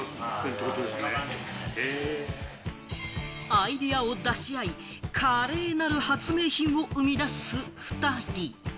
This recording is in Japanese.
アイデアを出し合い、華麗なる発明品を生み出す２人。